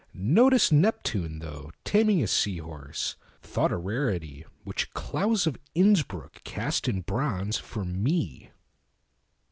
Notice Neptune, though, Taming a sea horse, thought a rarity, Which Claus of Innsbruck cast in bronze for me!